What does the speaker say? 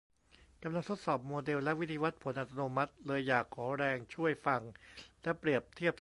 กำลังทดสอบโมเดลและวิธีวัดผลอัตโนมัติ เลยอยากขอแรงช่วยฟังและเปรียบเทียบเสียงกันหน่อยครับ